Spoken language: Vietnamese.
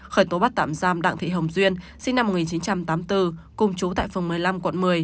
khởi tố bắt tạm giam đặng thị hồng duyên sinh năm một nghìn chín trăm tám mươi bốn cùng chú tại phường một mươi năm quận một mươi